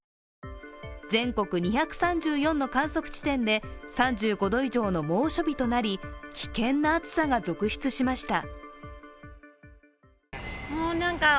全国２３４の観測地点で３５度以上の猛暑日となり危険な暑さが続出しました。